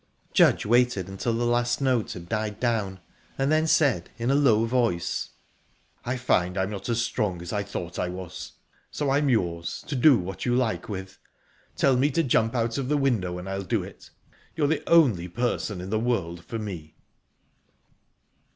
Judge waited until the last note had died down, and then said, in a low voice: "I find I'm not as strong as I thought I was...so I'm yours, to do what you like with. Tell me to jump out of the window, and I'll do it. You're the only person in the world for me."